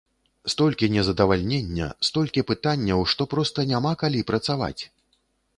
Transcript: Столькі незадавальнення, столькі пытанняў, што проста няма калі працаваць!